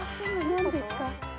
何ですか？